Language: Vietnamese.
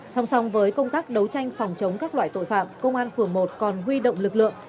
song song với công tác đấu tranh phòng chống các loại tội phạm công an phường một còn huy động lực lượng